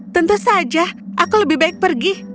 tentu saja aku lebih baik pergi